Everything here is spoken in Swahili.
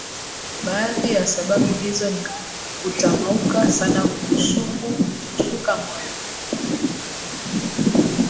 Baadhi ya sababu hizo ni kutamauka sana kushuka moyo